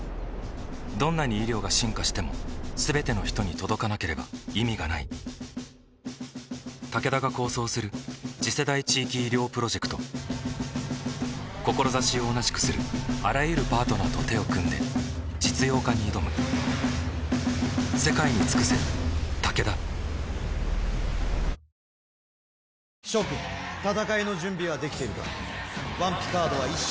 どんなに医療が進化しても全ての人に届かなければ意味がないタケダが構想する次世代地域医療プロジェクト志を同じくするあらゆるパートナーと手を組んで実用化に挑む颯という名の爽快緑茶！